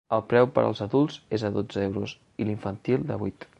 El preu per als adults és de dotze euros, i l’infantil de vuit.